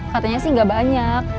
katanya sih gak banyak